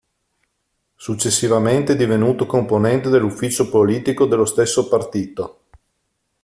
Successivamente è divenuto componente dell'Ufficio politico dello stesso partito.